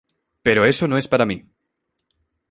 Pero eso no es para mí.